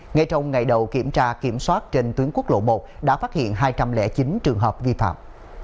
ngay trong ngày đầu kiểm tra kiểm soát trên tuyến quốc lộ một đã phát hiện hai trăm linh chín trường hợp vi phạm